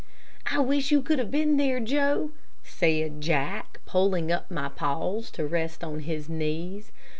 "I wish you could have been there, Joe," said Jack, pulling up my paws to rest on his knees.